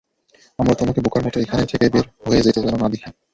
আমরা তোমাকে বোকার মত এখানে থেকে যেন বের হয়ে যেতে না দেখি।